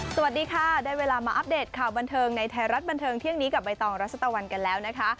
สวัสดีค่ะได้เวลามาอัปเดตข่าวบันเทิงในไทยรัฐบันเทิงเที่ยงนี้กับใบตองรัชตะวันกันแล้วนะคะ